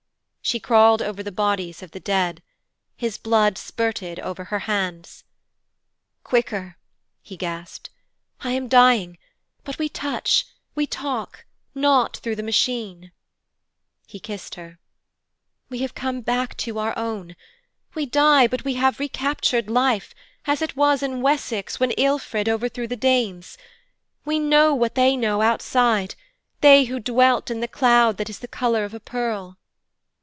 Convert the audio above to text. She crawled over the bodies of the dead. His blood spurted over her hands. 'Quicker,' he gasped, 'I am dying but we touch, we talk, not through the Machine.' He kissed her. 'We have come back to our own. We die, but we have recaptured life, as it was in Wessex, when Ćlfrid overthrew the Danes. We know what they know outside, they who dwelt in the cloud that is the colour of a pearl.'